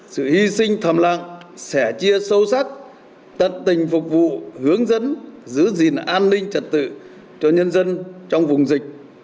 sự hy sinh thầm lặng sẻ chia sâu sắc tận tình phục vụ hướng dẫn giữ gìn an ninh trật tự cho nhân dân trong vùng dịch